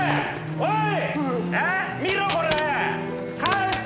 おい！